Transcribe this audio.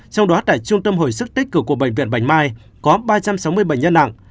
trong đó tại trung tâm hồi sức tích cử của bệnh viện bạch mai có ba trăm sáu mươi bệnh nhân nặng